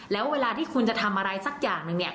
แล้วเวลาที่คุณจะทำอะไรสักอย่างหนึ่งเนี่ย